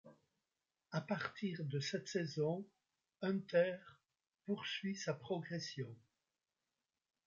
À partir de cette saison, Hunter poursuit sa progression.